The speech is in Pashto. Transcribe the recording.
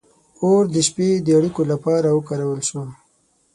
• اور د شپې د اړیکو لپاره وکارول شو.